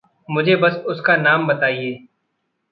मुझे बस उसका नाम बताइए।